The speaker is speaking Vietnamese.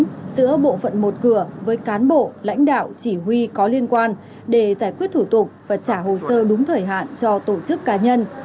kết giữa bộ phận một cửa với cán bộ lãnh đạo chỉ huy có liên quan để giải quyết thủ tục và trả hồ sơ đúng thời hạn cho tổ chức cá nhân